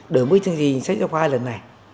đổi mới chương trình sách giáo khoa lần này